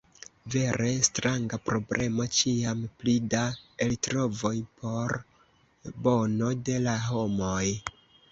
Vere stranga problemo: ĉiam pli da eltrovoj por bono de la homoj.